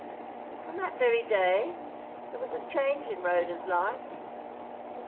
From that very day there was a change in Rhoda's life.